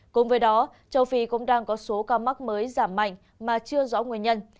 cùng với đó châu phi cũng đang có số ca mắc mới giảm mạnh mà chưa rõ nguyên nhân